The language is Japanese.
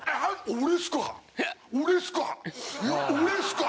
俺っすか？